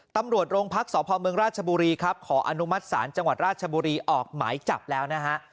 ตำรวจโรงพักษพเมืองราชบุรีครับขออนุมัติศาลจังหวัดราชบุรีออกหมายจับแล้วนะฮะ